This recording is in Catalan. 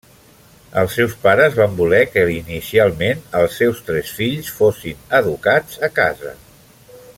Els seus pares van voler que, inicialment, els seus tres fills fossin educats a casa.